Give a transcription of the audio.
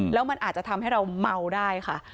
แล้วมันอาจจะทำให้เราเมาได้ค่ะ